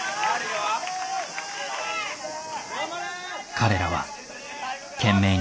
彼らは懸命に戦う。